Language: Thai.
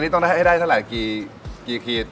ตัวชิ้นอันนี้ต้องให้ได้เท่าไหร่กี่ขีด